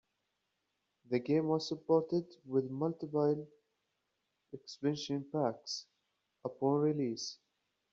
The game was supported with multiple expansion packs upon release.